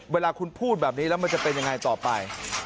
เวลาคุณพูดแบบนี้แล้วมันจะเป็นยังไงต่อไป